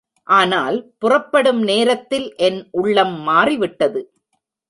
ஆனால் புறப்படும் நேரத்தில் என் உள்ளம் மாறிவிட்டது.